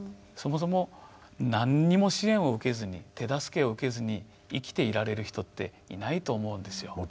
そもそも何にも支援を受けずに手助けを受けずに生きていられる人っていないと思うんですよ。